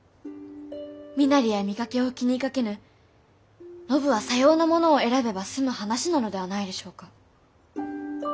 身なりや見かけを気にかけぬ信はさような者を選べば済む話なのではないでしょうか。